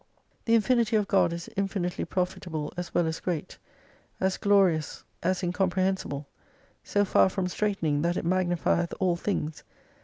The infinity of God is infinitely profitable as well as great : as glorious as incompre 293 hensiblc : so far from straitening tliat it magnifieth all things.